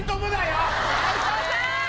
齋藤さん！